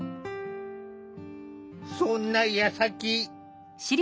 そんなやさき。